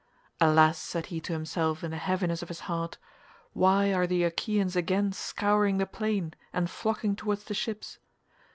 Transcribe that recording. "Alas," said he to himself in the heaviness of his heart, "why are the Achaeans again scouring the plain and flocking towards the ships?